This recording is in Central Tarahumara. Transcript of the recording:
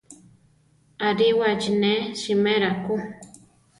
Aríwachi ne simera ku.